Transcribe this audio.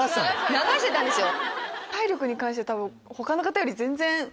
流してたんですよ。